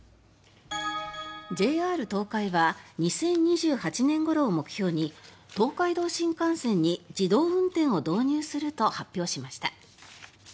ＪＲ東海は２０２８年ごろを目標に東海道新幹線に自動運転を導入すると発表しました。